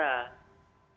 ya semuanya ke